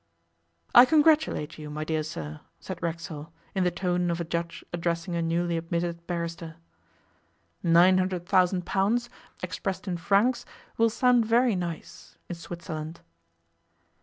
'I congratulate you, my dear sir,' said Racksole, in the tone of a judge addressing a newly admitted barrister. 'Nine hundred thousand pounds, expressed in francs, will sound very nice in Switzerland.